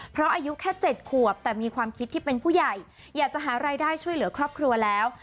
เพราะอายุแค่๗ขวบแต่มีความคิดที่เป็นผู้ใหญ่อยากจะหารายได้ช่วยเหลือครอบครัวแล้ว